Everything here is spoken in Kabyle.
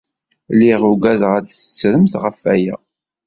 Lliɣ uggadeɣ ad d-tettremt ɣef waya.